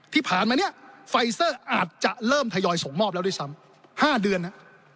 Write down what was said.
ที่ผ่านมาเนี่ยไฟเซอร์อาจจะเริ่มทยอยส่งมอบแล้วด้วยซ้ำ๕เดือน